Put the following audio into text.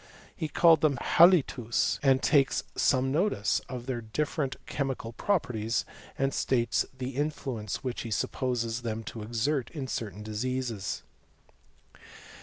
He called them halitus, and takes, some notice of their different che mical properties, and states the influence which he supposes them to exert in certain diseases.